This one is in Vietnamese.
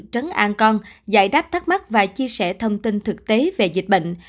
trấn an con giải đáp thắc mắc và chia sẻ thông tin thực tế về dịch bệnh